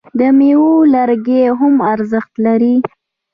د میوو لرګي هم ارزښت لري.